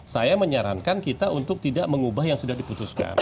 saya menyarankan kita untuk tidak mengubah yang sudah diputuskan